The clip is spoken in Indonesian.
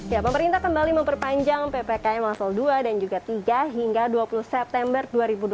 ya pemerintah kembali memperpanjang ppkm level dua dan juga tiga hingga dua puluh september dua ribu dua puluh